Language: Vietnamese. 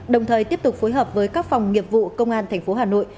đồng thời tiếp tục phối hợp với các phòng nghiệp vụ công an tp hà nội